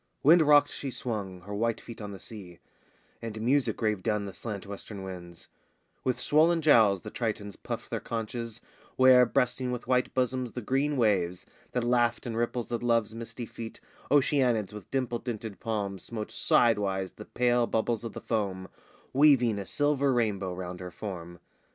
Wind rocked she swung, her white feet on the sea; And music raved down the slant western winds: With swollen jowls the Tritons puffed their conchs, Where, breasting with white bosoms the green waves, That laughed in ripples at Love's misty feet, Oceanids with dimple dented palms Smote sidewise the pale bubbles of the foam, Weaving a silver rainbow round her form.